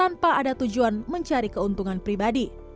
tanpa ada tujuan mencari keuntungan pribadi